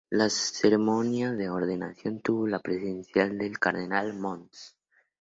La ceremonia de ordenación tuvo la presencia del Cardenal Mons.